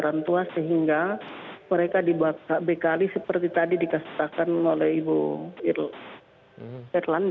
para orang tua sehingga mereka dibakar bekali seperti yang tadi dikasihkan oleh ibu erland